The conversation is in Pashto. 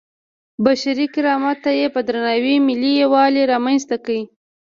بشري کرامت ته یې په درناوي ملي یووالی رامنځته کړی.